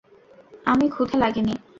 আমি ক্ষুধা লাগেনি।